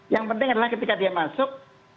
yang penting adalah ketika dia masuk